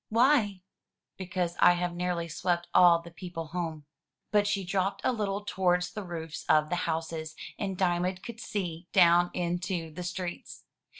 "Why?" "Because I have nearly swept all the people home." But she dropped a little towards the roofs of the houses, and Diamond could see down into the streets.